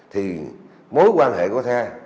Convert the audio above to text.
thì mối quan hệ của theo